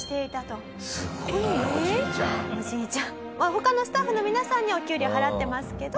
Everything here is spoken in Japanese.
他のスタッフの皆さんにはお給料払ってますけど。